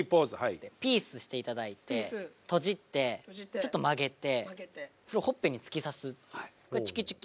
ピースして頂いて閉じてちょっと曲げてそれをほっぺに突き刺すこれちゅきちゅき。